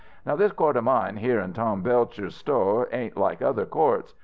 Now this court of mine here in Tom Belcher's sto, ain't like other courts.